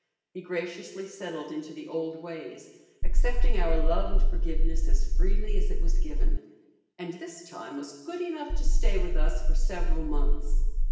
He graciously settled into the old ways, accepting our love and forgiveness as freely as it was given, and this time was good enough to stay with us for several months.